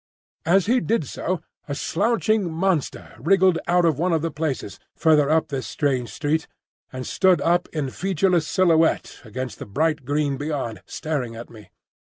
As he did so a slouching monster wriggled out of one of the places, further up this strange street, and stood up in featureless silhouette against the bright green beyond, staring at me.